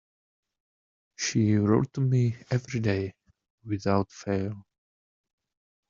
She wrote to me every day, without fail.